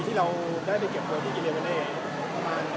มีขาดคอมพิวส์บางอย่างหรือว่ายังโอเค